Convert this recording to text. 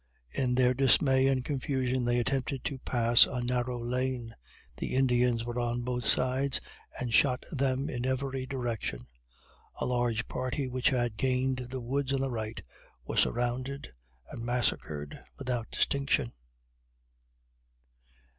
In their dismay and confusion they attempted to pass a narrow lane the Indians were on both sides, and shot them in every direction. A large party which had gained the woods on the right, were surrounded and massacred without distinction.